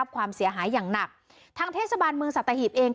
ความเสียหายอย่างหนักทางเทศบาลเมืองสัตหีบเอง